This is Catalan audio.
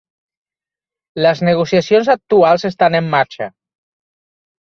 Les negociacions actuals estan en marxa.